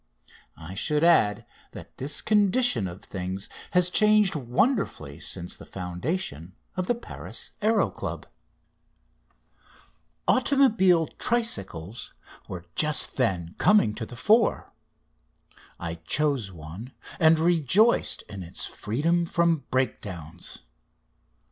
I should add that this condition of things has changed wonderfully since the foundation of the Paris Aéro Club. Automobile tricycles were just then coming to the fore. I chose one, and rejoiced in its freedom from breakdowns.